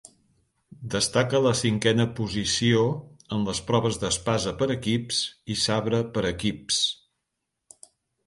Destaca la cinquena posició en les proves d'espasa per equips i sabre per equips.